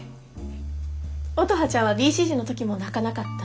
乙葉ちゃんはＢＣＧの時も泣かなかったんですか？